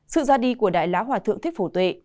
sự ra đi của đại lá hòa thượng thích phổ tuệ